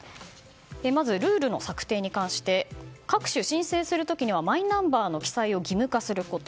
まずルールの策定に関して各種申請する時にはマイナンバーの記載を義務化すること。